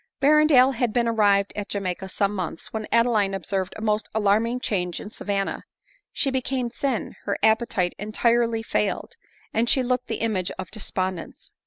Berrendale had been arrived at Jamaica some months, when Adeline observed a most alarming change in Savanna. She became thin, her appetite .entirely fail ed, and she looked the image of despondence.